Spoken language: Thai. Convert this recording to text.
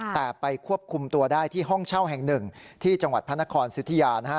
แต่ไปควบคุมตัวได้ที่ห้องเช่าแห่งหนึ่งที่จังหวัดพระนครสิทธิยานะฮะ